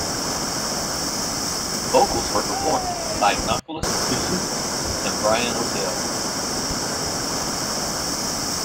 Vocals were performed by Nachilus Kezuck and Brian O'Dell.